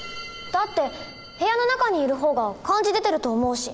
だって部屋の中にいる方が感じ出てると思うし。